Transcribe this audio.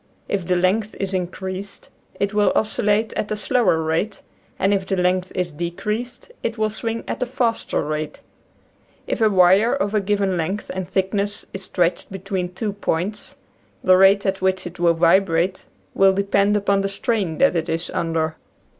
If the length is increased it will oscillate at a slower rate, and if the length is decreased it will swing at a faster rate. If a wire of a given length and thickness is stretched between two points the rate at which it will vibrate will depend upon the strain that it is under.